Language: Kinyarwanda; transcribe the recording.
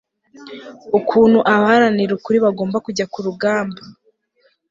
ukuntu abaharanira ukuri bagomba kujya ku rugamba